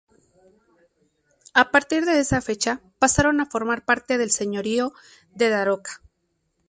A partir de esa fecha pasaron a formar parte del señorío de Daroca.